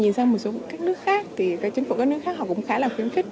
nhìn sang một số các nước khác thì chính phủ các nước khác họ cũng khá là khuyến khích